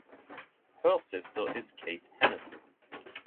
Her sister is Kate Hennessy.